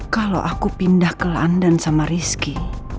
kalau aku pindah ke london sama rizky